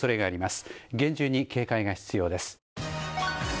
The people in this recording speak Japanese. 厳重に警戒が必要です。